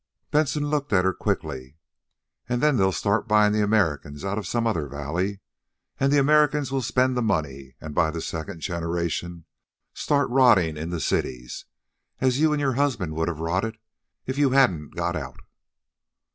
Benson looked at her quickly. "Then they'll start buying the Americans out of some other valley. And the Americans will spend the money and by the second generation start rotting in the cities, as you and your husband would have rotted if you hadn't got out."